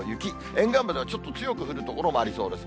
沿岸部ではちょっと強く降る所もありそうです。